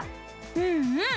うんうん！